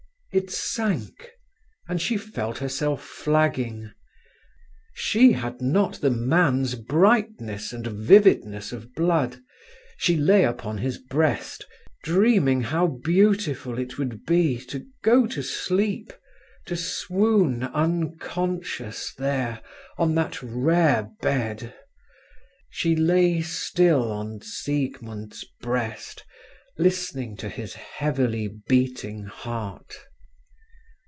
It sank, and she felt herself flagging. She had not the man's brightness and vividness of blood. She lay upon his breast, dreaming how beautiful it would be to go to sleep, to swoon unconscious there, on that rare bed. She lay still on Siegmund's breast, listening to his heavily beating heart.